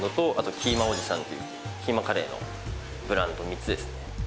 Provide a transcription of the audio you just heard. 「キーマおじさん」っていうキーマカレーのブランド３つですね